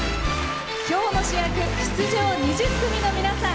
今日の主役、出場２０組の皆さん。